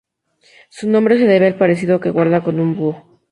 Su nombre se debe al parecido que guarda con un búho.